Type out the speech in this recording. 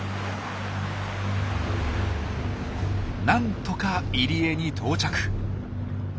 なんとか入り江に到着。